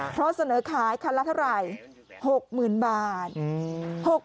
เพราะเสนอขายคันละเท่าไหร่๖๐๐๐บาท